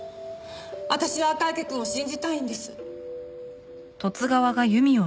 私は赤池くんを信じたいんです。